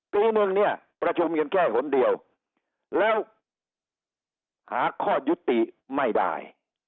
ปีหนึ่งเนี่ยประชุมกันแค่หนเดียวแล้วหาข้อยุติไม่ได้